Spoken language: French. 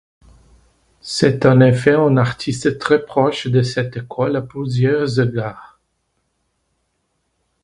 C’est en effet un artiste très proche de cette école à plusieurs égards.